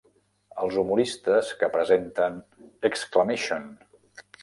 Els humoristes que presenten Exclamation!